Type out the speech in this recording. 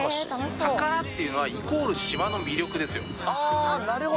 宝っていうのはイコール島のあー、なるほど。